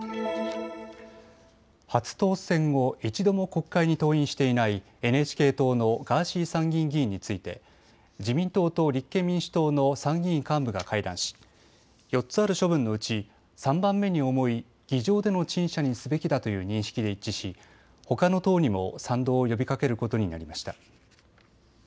初当選後、一度も国会に登院していないＮＨＫ党のガーシー参議院議員について自民党と立憲民主党の参議院幹部が会談し４つある処分のうち３番目に重い議場での陳謝にすべきだという認識で一致しほかの党にも賛同を呼びかけることになりました。